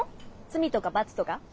罪とか罰とか？